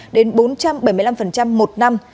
đến bốn trăm bảy mươi năm một ngày